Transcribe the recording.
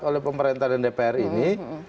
oleh pemerintah dan dpr ini